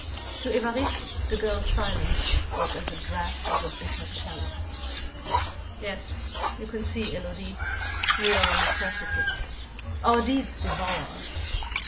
To Évariste the girl's silence was as a draught of a bitter chalice. "Yes, you can see, Élodie, we are on a precipice; our deeds devour us.